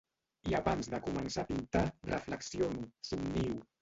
I abans de començar a pintar reflexiono, somnio.